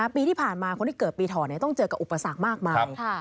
ปีที่ผ่านมาคนที่เกิดปีถอดต้องเจอกับอุปสรรคมากมาย